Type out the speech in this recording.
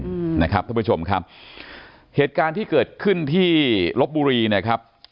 อืมนะครับท่านผู้ชมครับเหตุการณ์ที่เกิดขึ้นที่ลบบุรีนะครับ